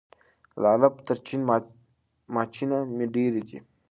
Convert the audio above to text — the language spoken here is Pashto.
له عرب تر چین ماچینه مي دېرې دي